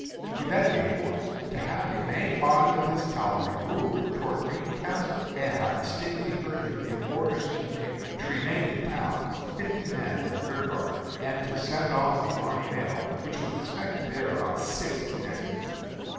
"He then gave orders to have the main body of his cavalry move towards Green Castle; and I distinctly heard him give orders to the Major to remain in town with fifty men as rearguard, and to send on the army mail, which was expected there about six the next evening.